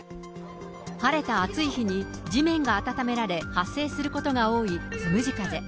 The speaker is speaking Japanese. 晴れた暑い日に地面が暖められ発生することが多いつむじ風。